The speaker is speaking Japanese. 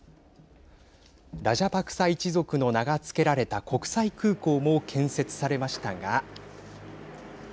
ラジャパクサ一族の名が付けられた国際空港も建設されましたが。